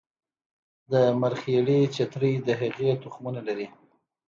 د مرخیړي چترۍ د هغې تخمونه لري